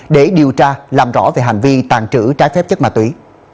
để điều tra làm rõ về hành vi tàn trữ trái phép chất ma túy